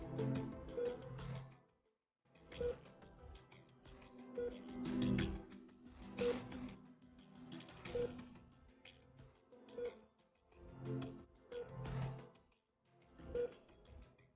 sekali lagi saya mau ucapkan terima kasih